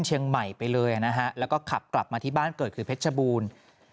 เชียงใหม่ไปเลยนะฮะแล้วก็ขับกลับมาที่บ้านเกิดคือเพชรบูรณ์